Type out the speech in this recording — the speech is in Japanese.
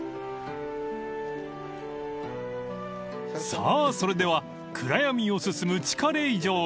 ［さあそれでは暗闇を進む地下霊場へ］